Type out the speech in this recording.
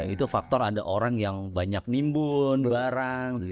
itu faktor ada orang yang banyak nimbun barang